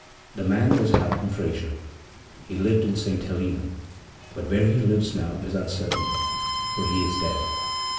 The man was Halpin Frayser. He lived in St. Helena, but where he lives now is uncertain, for he is dead.